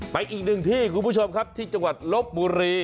อีกหนึ่งที่คุณผู้ชมครับที่จังหวัดลบบุรี